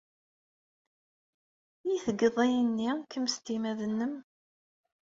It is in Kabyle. I tgeḍ ayenni kemm s timmad-nnem?